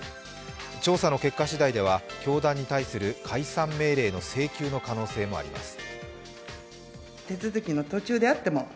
調査の結果しだいでは、教団に対する解散命令の請求の可能性もあります。